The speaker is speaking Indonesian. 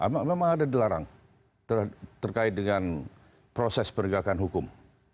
memang ada dilarang terkait dengan proses penegakan hukum